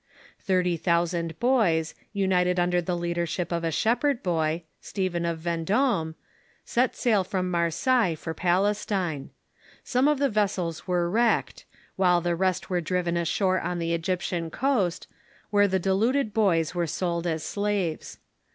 Thirty thousand boys, united under the leadership of a shep herd boy, Stephen of Vendome, set sail from Marseilles for Palestine. Some of the vessels were wrecked, while the rest were driven ashore on the Egyptian coast, where the deluded boys were sold as slaves.